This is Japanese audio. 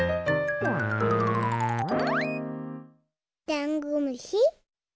ダンゴムシ。